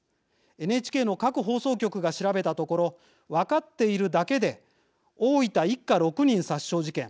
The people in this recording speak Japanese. ＮＨＫの各放送局が調べたところ分かっているだけで大分一家６人殺傷事件